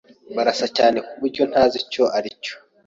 Barasa cyane kuburyo ntazi icyo aricyo.